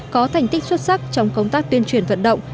có thành tích xuất sắc trong công tác tuyên truyền vận động